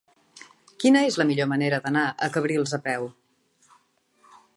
Quina és la millor manera d'anar a Cabrils a peu?